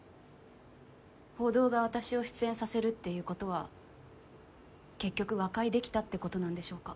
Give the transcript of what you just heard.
報道が私を出演させるっていうことは結局和解できたってことなんでしょうか。